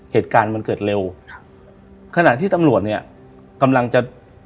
เหตุการณ์มันเกิดเร็วครับขณะที่ตำรวจเนี้ยกำลังจะ